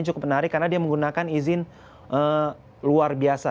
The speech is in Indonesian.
cukup menarik karena dia menggunakan izin luar biasa